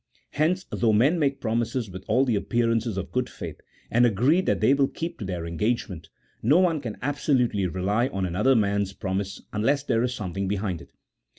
Hence, though men make promises with all the appear ances of good faith, and agree that they will keep to their engagement, no one can absolutely rely on another man's promise unless there is something behind it.